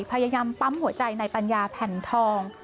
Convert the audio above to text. พยายามปั๊มหัวใจในปัญญาแผ่นทอง